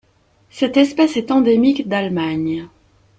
Cette espèce est endémique d'Allemagne.